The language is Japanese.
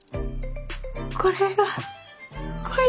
これが恋？